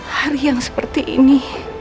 hari yang seperti ini